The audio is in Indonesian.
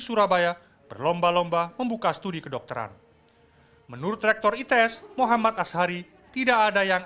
surabaya berlomba lomba membuka studi kedokteran menurut rektor its muhammad ashari tidak ada yang